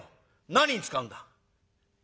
何に使うんだ？」。